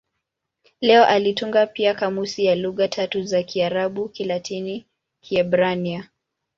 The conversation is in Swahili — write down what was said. Leo alitunga pia kamusi ya lugha tatu za Kiarabu-Kilatini-Kiebrania.